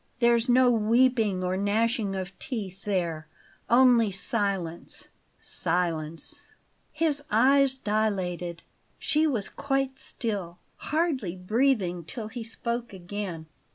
There's no weeping or gnashing of teeth there; only silence silence " His eyes dilated. She was quite still, hardly breathing till he spoke again.